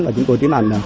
và chúng tôi tiến hành